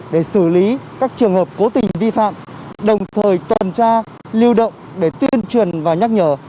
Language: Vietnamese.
để xử lý các trường hợp cố tình vi phạm đồng thời tuần tra lưu động để tuyên truyền và nhắc nhở